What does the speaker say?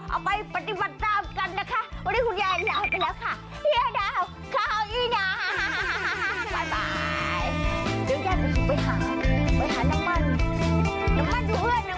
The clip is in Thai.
เอาไปปฏิบัติตามกันนะคะวันนี้คุณยายลาไปแล้วค่ะ